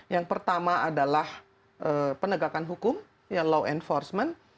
yang pertama adalah penegakan hukum ya law enforcement